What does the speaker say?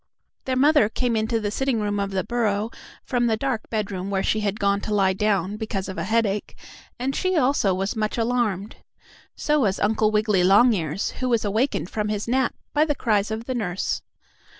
Their mother came into the sitting room of the burrow, from the dark bedroom where she had gone to lie down, because of a headache, and she also was much alarmed. So was Uncle Wiggily Longears, who was awakened from his nap by the cries of the nurse.